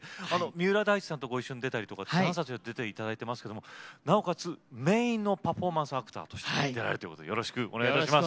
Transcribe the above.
三浦大知さんとご一緒に出たりとかダンサーとしては出ていただいてますけどもなおかつメインのパフォーマンスアクターとして出られるということでよろしくお願いいたします。